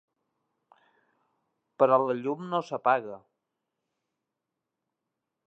Però la llum no s'apaga.